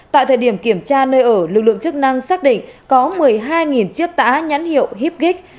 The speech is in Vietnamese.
tại thời điểm kiểm tra nơi ở lực lượng chức năng xác định có một mươi hai chiếc tả nhãn hiệu hip kít